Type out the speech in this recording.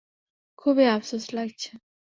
খুবই আফসোস লাগছে।